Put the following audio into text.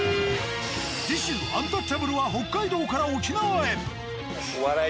次週アンタッチャブルは北海道から沖縄へ。